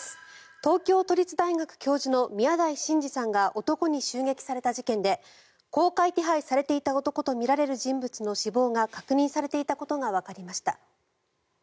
東京都立大学教授の宮台真司さんが男に襲撃された事件で公開手配されていた男とみられる人物の死亡が確認されていたことがわかりました。